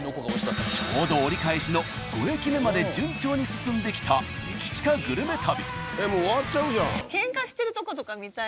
ちょうど折り返しの５駅目まで順調に進んできた駅チカグルメ旅。